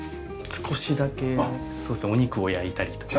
少しだけお肉を焼いたりとか。